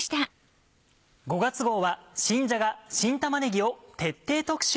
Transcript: ５月号は「新じゃが・新玉ねぎ」を徹底特集。